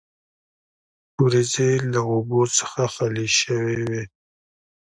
وریځې له اوبو څخه خالي شوې وې.